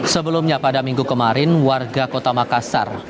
sebelumnya pada minggu kemarin warga kota makassar